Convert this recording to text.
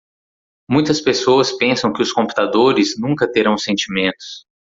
Muitas pessoas pensam que os computadores nunca terão sentimentos.